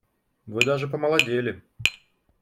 Вы даже помолодели.